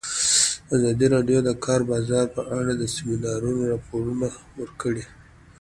ازادي راډیو د د کار بازار په اړه د سیمینارونو راپورونه ورکړي.